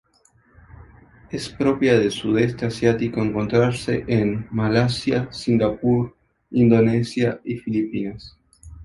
Es propia del sudeste asiático, encontrándose en Malasia, Singapur, Indonesia y Filipinas.